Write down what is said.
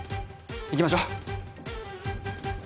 行きましょう！